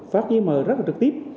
phát giấy mờ rất là trực tiếp